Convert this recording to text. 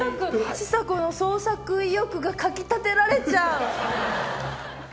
ちさ子の創作意欲がかき立てられちゃう。